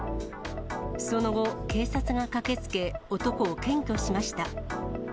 その後、警察が駆けつけ、男を検挙しました。